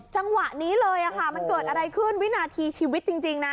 จังหวะนี้เลยค่ะมันเกิดอะไรขึ้นวินาทีชีวิตจริงนะ